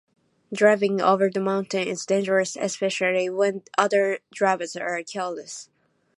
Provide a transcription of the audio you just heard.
Driving over the mountain is dangerous especially when other drivers are careless